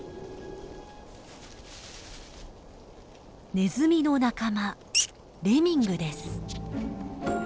ネズミの仲間レミングです。